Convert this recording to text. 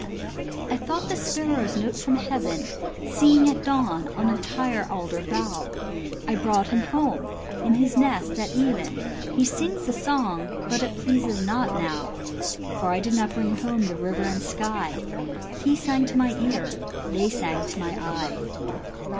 " I thought the sparrow's note from heaven, Singing at dawn on tire alder bough ; I brought him home, in his nest, at even. He sings the song, but it pleases not now, For I did not bring home the river and sky. He sang to my ear— they sang to my eye."